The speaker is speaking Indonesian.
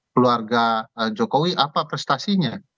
keluarga jokowi apa prestasinya